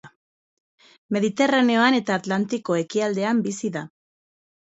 Mediterraneoan eta Atlantiko ekialdean bizi da.